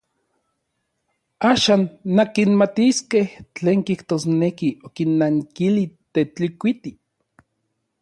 Axan nankimatiskej tlen kijtosneki, okinnankili Tetlikuiti.